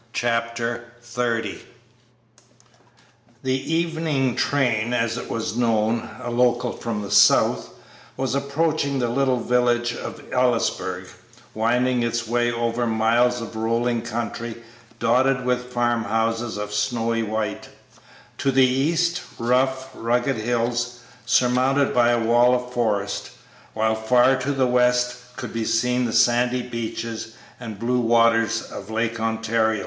Chapter XXX AFTER MANY YEARS The evening train, as it was known, a local from the south, was approaching the little village of Ellisburg, winding its way over miles of rolling country dotted with farm houses of snowy white; to the east, rough, rugged hills surmounted by a wall of forest, while far to the west could be seen the sandy beaches and blue waters of Lake Ontario.